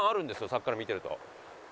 さっきから見てると。